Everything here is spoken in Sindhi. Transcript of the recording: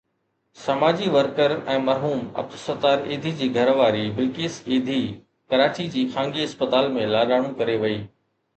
سماجي ورڪر ۽ مرحوم عبدالستار ايڌي جي گهر واري بلقيس ايڌي ڪراچي جي خانگي اسپتال ۾ لاڏاڻو ڪري وئي.